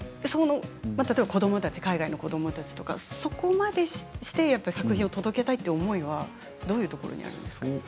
例えば子どもたち海外の子どもたちとかそこまでして作品を届けたいという思いはどういうところにあるんですか。